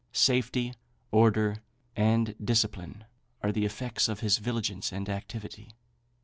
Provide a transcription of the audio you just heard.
Safety, order, and discipline, are the effects of his vigilance and activity.